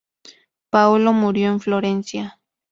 Paolo murió en Florencia.